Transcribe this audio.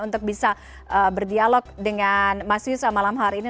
untuk bisa berdialog dengan mas yusa malam hari ini